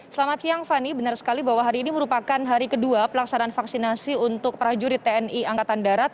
selamat siang fani benar sekali bahwa hari ini merupakan hari kedua pelaksanaan vaksinasi untuk prajurit tni angkatan darat